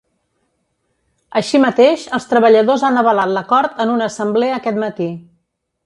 Així mateix, els treballadors han avalat l’acord en una assemblea aquest matí.